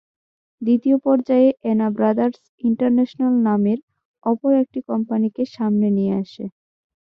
দ্বিতীয় পর্যায়ে এনা brothers international নামের অপর একটি কোম্পানিকে সামনে নিয়ে আসে।